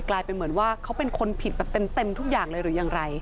กลายเป็นเหมือนว่าเขาเป็นคนผิดแบบเต็มทุกอย่างเลยหรือยังไร